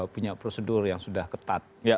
punya prosedur yang sudah ketat